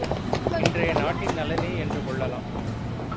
இன்றைய நாட்டின் நலனே என்று கொள்ளலாம்.